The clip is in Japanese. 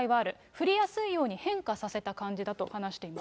振りやすいように変化させた感じだと話していました。